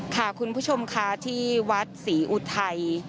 ค่ะคุณผู้ชมค่ะที่วัดศรีอุทัย